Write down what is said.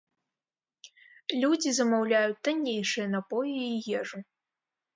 Людзі замаўляюць таннейшыя напоі і ежу.